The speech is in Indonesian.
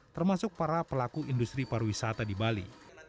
termasuk para pelaku industri pariwisata di bali